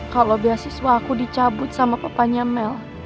kalau beasiswa aku dicabut sama papanya mel